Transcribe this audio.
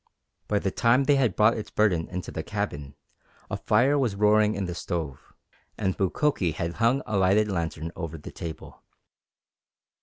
By the time they had brought its burden into the cabin a fire was roaring in the stove, and Mukoki had hung a lighted lantern over the table.